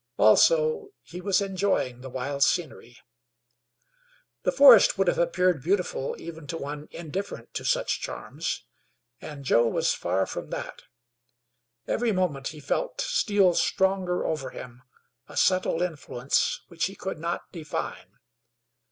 Also, he was enjoying the wild scenery. This forest would have appeared beautiful, even to one indifferent to such charms, and Joe was far from that. Every moment he felt steal stronger over him a subtle influence which he could not define.